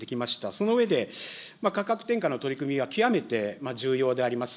その上で、価格転嫁の取り組みは極めて重要であります。